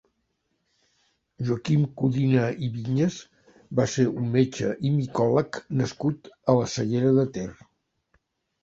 Joaquim Codina i Vinyes va ser un metge i micòleg nascut a la Cellera de Ter.